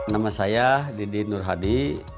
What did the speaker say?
nama saya didin nurhani